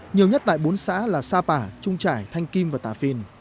nhiều nhất tại bốn xã là sapa trung trải thanh kim và tà phìn